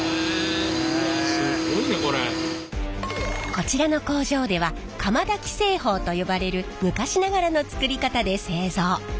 こちらの工場では釜だき製法と呼ばれる昔ながらの作り方で製造。